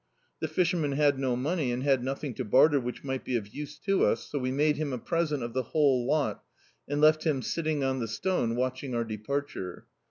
Tlie fisherman had no money, and had nothing to barter which mi^t be of use to us, so we made him a present of the whole lot, and left him sitting on the stone, watching our departure.